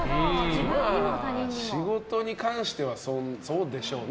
仕事に関してはそうでしょうね。